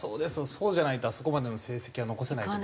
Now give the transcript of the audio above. そうじゃないとあそこまでの成績は残せないと思います。